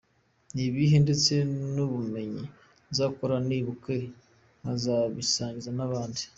Ni ibihe ndetse n’ubumenyi nzahora nibuka nkanabisangiza abandi.